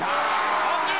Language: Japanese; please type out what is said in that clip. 大きい！